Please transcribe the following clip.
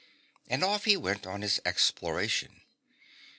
And off he went on his explora tion.